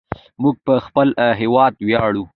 موږ په خپل هیواد ویاړو.